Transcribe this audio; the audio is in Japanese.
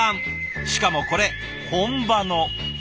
しかもこれ本場の。